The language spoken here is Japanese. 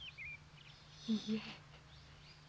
いいえ。